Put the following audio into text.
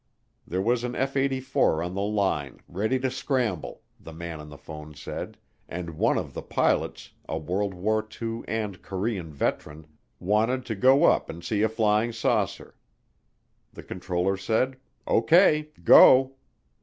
There was an F 84 on the line ready to scramble, the man on the phone said, and one of the pilots, a World War II and Korean veteran, wanted to go up and see a flying saucer. The controller said, "O.K., go."